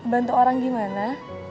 bantu orang gimana